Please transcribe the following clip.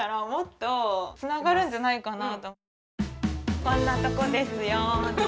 こんなとこですよ！